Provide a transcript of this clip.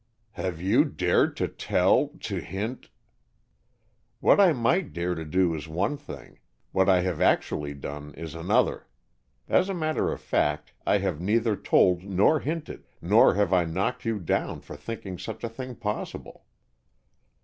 "Have you dared to tell to hint " "What I might dare to do is one thing, what I have actually done is another. As a matter of fact, I have neither told nor hinted, nor have I knocked you down for thinking such a thing possible."